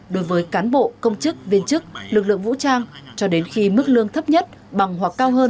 đối với cán bộ công chức viên chức lực lượng vũ trang cho đến khi mức lương thấp nhất bằng hoặc cao hơn